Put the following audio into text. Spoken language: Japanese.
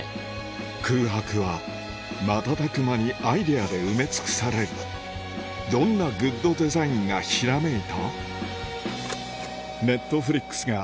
空白は瞬く間にアイデアで埋め尽くされるどんなグッドデザインがひらめいた？